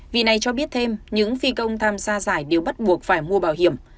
vì này cho biết thêm những phi công tham gia giải đều bắt buộc phải mua bảo hiểm